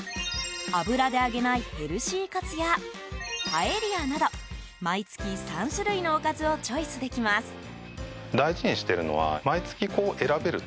油で揚げないヘルシーカツやパエリアなど毎月３種類のおかずをチョイスできます。